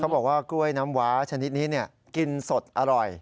บอกว่ากล้วยน้ำว้าชนิดนี้กินสดอร่อย